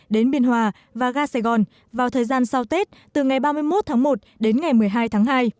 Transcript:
đến biên hòa và ga sài gòn vào thời gian sau tết từ ngày ba mươi một tháng một đến ngày một mươi hai tháng hai